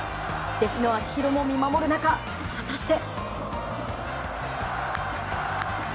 弟子の秋広も見守る中果たして。